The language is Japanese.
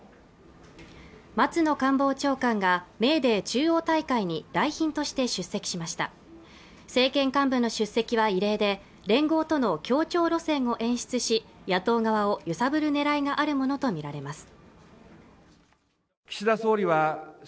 松野官房長官がメーデー中央大会に来賓として出席しました政権幹部の出席は異例で連合との協調路線を演出し野党側を揺さぶる狙いがあるものと見られます